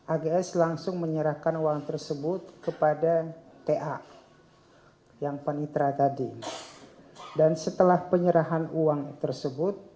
ags langsung menyerahkan uang tersebut kepada ta yang panitra tadi dan setelah penyerahan uang tersebut